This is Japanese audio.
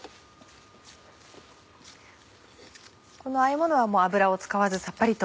このあえものは油を使わずさっぱりと。